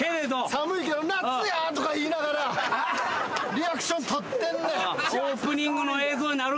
寒いけど「夏や！」とか言いながらリアクション取ってんねん。